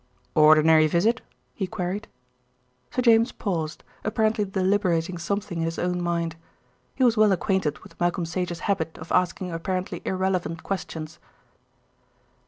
"Ordinary visit?" he queried. "No." Sir James paused, apparently deliberating something in his own mind. He was well acquainted with Malcolm Sage's habit of asking apparently irrelevant questions.